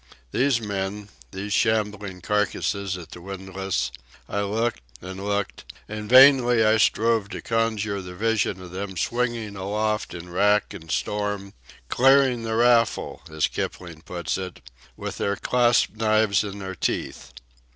These men, these shambling carcasses at the windlass—I looked, and looked, and vainly I strove to conjure the vision of them swinging aloft in rack and storm, "clearing the raffle," as Kipling puts it, "with their clasp knives in their teeth."